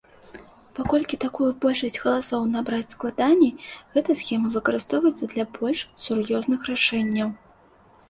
Паколькі такую большасць галасоў набраць складаней, гэта схема выкарыстоўваецца для больш сур'ёзных рашэнняў.